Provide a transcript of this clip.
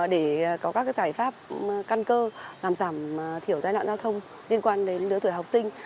để có các giải pháp căn cơ làm giảm thiểu tai nạn giao thông liên quan đến lứa tuổi học sinh